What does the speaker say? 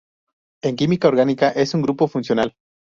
En química orgánica es un grupo funcional.